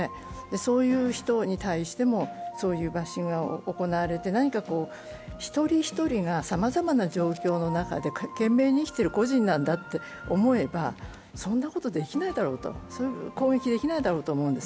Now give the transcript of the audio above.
そういう人に対しても、そういうバッシングが行われて何か一人一人がさまざまな状況の中で懸命に生きている個人なんだと思えばそんなことできないだろうと、攻撃できないだろうと思うんです。